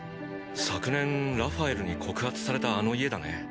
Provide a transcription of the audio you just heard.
昨年ラファエルに告発されたあの家だね。